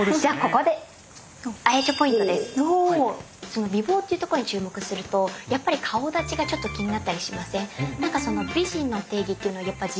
その美貌っていうところに注目するとやっぱり顔だちがちょっと気になったりしません？